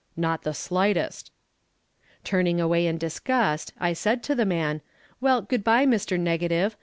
"Not the slightest." Turning away in disgust, I said to the man, "Well, good by, Mr. Negative.